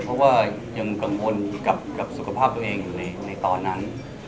เพราะว่ายังกังวลกับสุขภาพตัวเองอยู่ในตอนนั้น